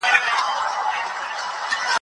هغه لاره چي حق وي پرې ولاړ شه.